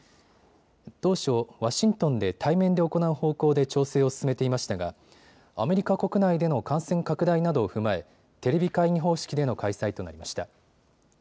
当初、ワシントンで対面で行う方向で調整を進めていましたがアメリカ国内での感染拡大などを踏まえテレビ会議方式での開催となりました。